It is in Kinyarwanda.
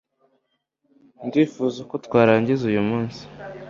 Ndifuza ko twarangiza uyu munsi